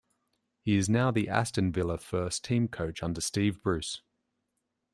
He is now the Aston Villa first team coach under Steve Bruce.